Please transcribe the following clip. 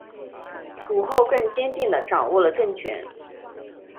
武后更坚定地掌握了政权。